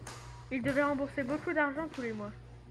il devait rembourser beaucoup d'argent tous les mois.